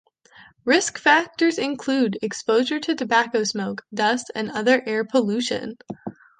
Risk factors include exposure to tobacco smoke, dust, and other air pollution.